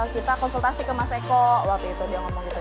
kita konsultasi ke mas eko waktu itu dia ngomong gitu